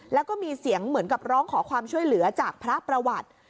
แล้วก็มีเสียงเหมือนกับร้องขอความช่วยเหลือจากพระประวัติ